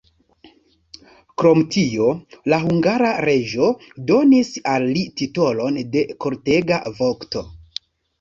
Krom tio la hungara reĝo donis al li titolon de kortega vokto.